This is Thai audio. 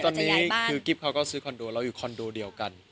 แบบรอยกุยกุยพี่ค็าก็จะซื้อคอนโดเราอยู่คอนโดเดียวกัน